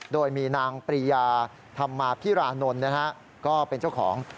โดยมีนางปรียาธรรมาพิรานนท์นะฮะก็เป็นเจ้าของ